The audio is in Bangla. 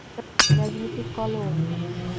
ম্যাগনেটিক কলম।